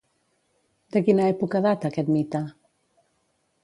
De quina època data aquest mite?